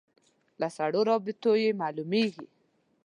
له سړو رابطو یې معلومېږي.